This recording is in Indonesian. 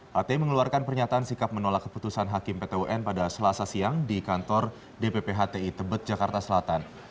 hti mengeluarkan pernyataan sikap menolak keputusan hakim pt un pada selasa siang di kantor dpp hti tebet jakarta selatan